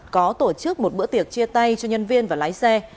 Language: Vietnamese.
có tổ chức một bữa tiệc chia tay cho nhân viên và lái xe